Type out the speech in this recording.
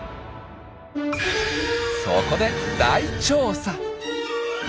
そこで大調査！